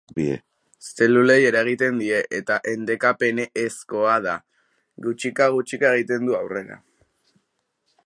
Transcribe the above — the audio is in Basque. Zelulei eragiten die eta endekapeneezkoa da, gutxika gutxika egiten du aurrera.